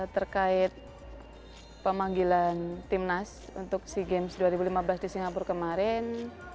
terkait pemanggilan timnas untuk sea games dua ribu lima belas di singapura kemarin